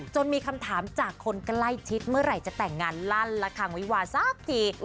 มีคำถามจากคนใกล้ชิดเมื่อไหร่จะแต่งงานลั่นละคังวิวาสักที